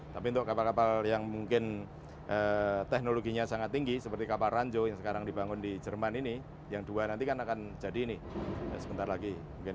tapi untuk kapal kapal yang mungkin teknologinya sangat tinggi seperti kapal ranjau yang sekarang dibangun di jerman ini yang dua nanti kan akan jadi ini sebentar lagi